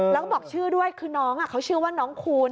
แล้วก็บอกชื่อด้วยคือน้องเขาชื่อว่าน้องคูณ